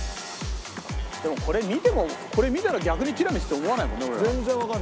でもこれ見てもこれ見たら逆にティラミスって思わないもんね